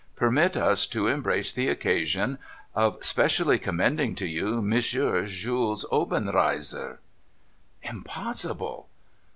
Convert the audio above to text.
Permit us to embrace the occasion of specially commending to you M. Jules Obenreizer." Impossible